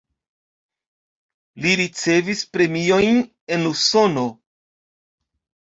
Li ricevis premiojn en Usono.